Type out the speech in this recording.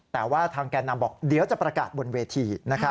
แต่ว่าทางแก่นำบอกเดี๋ยวจะประกาศบนเวที